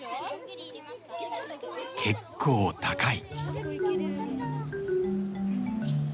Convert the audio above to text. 結構高い。